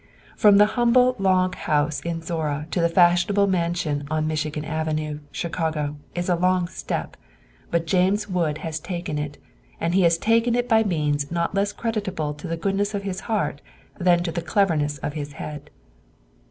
From the humble log house in Zorra to the fashionable mansion on Michigan Avenue, Chicago, is a long step, but James Wood has taken it; and he has taken it by means not less creditable to the goodness of his heart than to the cleverness of his head.